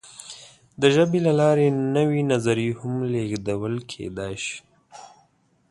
د ژبې له لارې نوې نظریې هم لېږدول کېدی شي.